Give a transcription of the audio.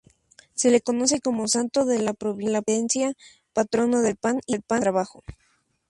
Se le conoce como "Santo de la Providencia", "Patrono del pan y del trabajo".